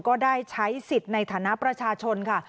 ก็ได้ใช้สิทธิ์ในฐานะประชาชนค่ะ